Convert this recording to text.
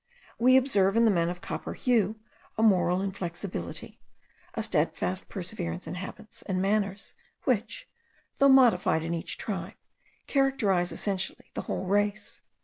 We observe in the men of copper hue, a moral inflexibility, a steadfast perseverance in habits and manners, which, though modified in each tribe, characterise essentially the whole race.